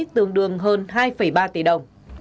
tương đương hơn hai ba tỷ đồng